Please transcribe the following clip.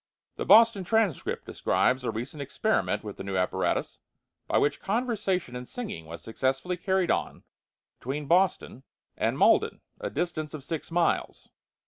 The Boston Transcript describes a recent experiment with the new apparatus, by which conversation and singing was successfully carried on between Boston and Malden, a distance of six miles.